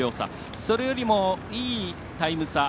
それよりいいタイム差